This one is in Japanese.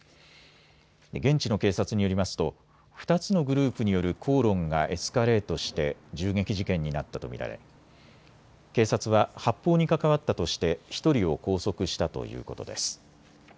現地の警察によりますと２つのグループによる口論がエスカレートして銃撃事件になったと見られ警察は発砲に関わったとして１人を拘束したということです。